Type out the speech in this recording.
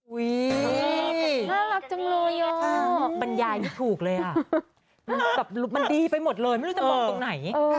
น่ารักจังเลยบรรยายถูกเลยอ่ะมันแบบมันดีไปหมดเลยไม่รู้จะมองตรงไหน